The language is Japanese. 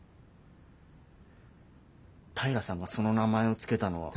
平さんがその名前を付けたのは。